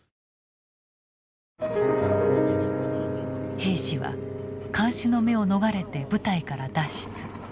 兵士は監視の目を逃れて部隊から脱出。